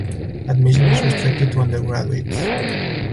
Admission is restricted to undergraduates.